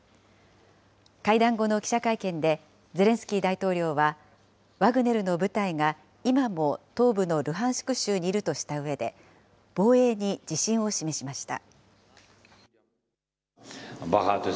会談後の記者会見で、ゼレンスキー大統領は、ワグネルの部隊が今も東部のルハンシク州にいるとしたうえで、防衛に自信を示しました。